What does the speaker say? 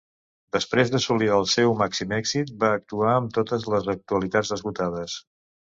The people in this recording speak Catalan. Després d"assolir el seu màxim èxit, va actuar amb totes les localitats esgotades.